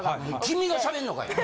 君がしゃべんのかいな。